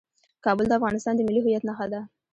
کابل د افغانستان د ملي هویت نښه ده.